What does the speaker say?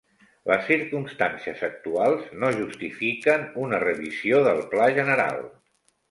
Les circumstàncies actuals no justifiquen una revisió del Pla general.